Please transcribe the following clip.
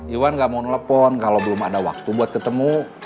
iwan gak mau nelpon kalau belum ada waktu buat ketemu